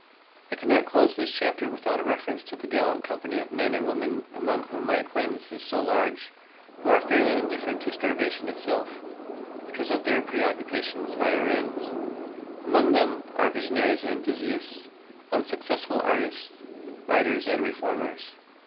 I cannot close this chapter without a reference to that gallant company of men and women among whom my acquaintance is so large, who are fairly indifferent to starvation itself because of their preoccupation with higher ends. Among them are visionaries and enthusiasts, unsuccessful artists, writers, and reformers.